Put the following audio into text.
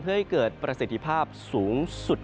เพื่อให้เกิดประสิทธิภาพสูงสุด